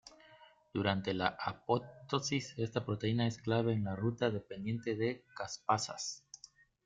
Durante la apoptosis, esta proteína es clave en la ruta dependiente de caspasas.